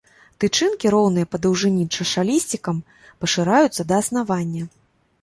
Тычынкі роўныя па даўжыні чашалісцікам, пашыраюцца да аснавання.